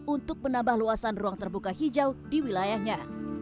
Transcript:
untuk menambah luasan ruang terbuka hijau di wilayahnya